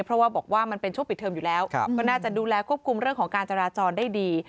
เพราะว่าบอกว่ามันเป็นช่วงปิดเทิมอยู่แล้วก็น่าจะดูแลควบคุมเรื่องของการจราจรได้ดี